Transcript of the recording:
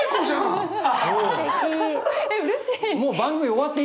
うれしい。